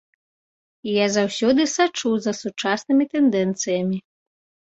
Я заўсёды сачу за сучаснымі тэндэнцыямі.